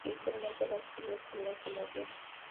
Usualmente, las siluetas no se movían.